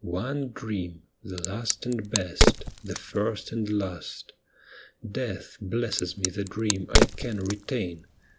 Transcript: One dream, the last and best, the first and last. Death blesses me the dream I can retain.